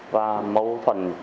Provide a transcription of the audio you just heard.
và mâu thuẫn trong